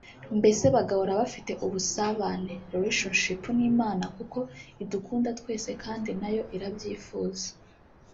Mbese bagahora bafite ubusabane (Relationship) n’Imana kuko idukunda twese kandi na yo irabyifuza